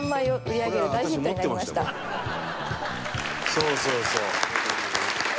そうそうそう！